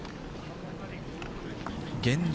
現状